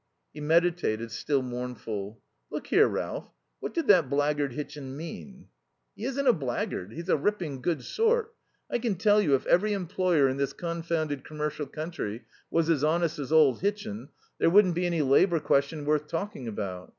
He meditated, still mournful. "Look here, Ralph, what did that blackguard Hitchin mean?" "He isn't a blackguard. He's a ripping good sort. I can tell you, if every employer in this confounded commercial country was as honest as old Hitchin, there wouldn't be any labour question worth talking about."